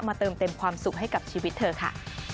เติมเต็มความสุขให้กับชีวิตเธอค่ะ